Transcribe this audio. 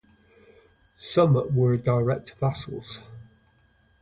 Some were direct vassals.